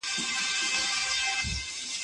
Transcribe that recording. واړه او لوی ښارونه